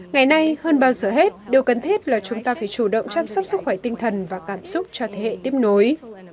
ngày nay hơn bao giờ hết điều cần thiết là chúng ta phải chủ động chăm sóc sức khỏe tinh thần và cảm xúc cho thế hệ tiếp nối